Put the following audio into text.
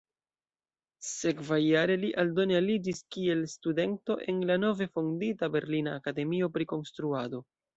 Sekvajare li aldone aliĝis kiel studento en la nove fondita Berlina Akademio pri Konstruado.